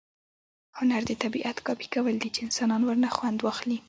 هنر د طبیعت کاپي کول دي، چي انسانان ورنه خوند واخلي.